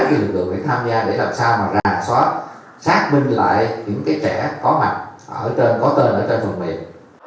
để làm sao mà rà soát xác minh lại những trẻ có mặt có tên ở trên phần miệng